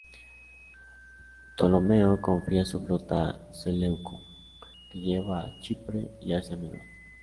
Ptolomeo confía su flota a Seleuco, que lleva a Chipre y Asia Menor.